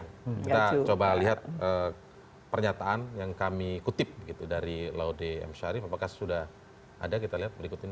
kita coba lihat pernyataan yang kami kutip dari laude m syarif apakah sudah ada kita lihat berikut ini